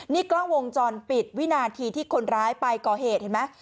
นี่กล้องวงจรปิดวินาทีที่คนร้ายไปก่อเหตุเห็นไหม